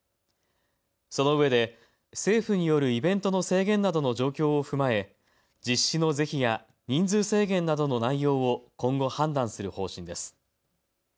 そのうえで政府によるイベントの制限などの状況を踏まえ実施の是非や、人数制限などの内容を今後判断する方針です。